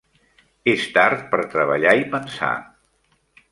És tard per treballar i pensar.